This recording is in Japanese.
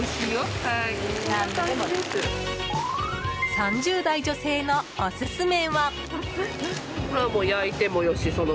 ３０代女性のオススメは。